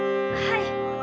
はい。